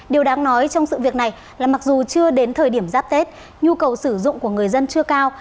điều đáng nói trong sự việc này là mặc dù chưa đến thời điểm giáp tết nhu cầu sử dụng của người dân chưa cao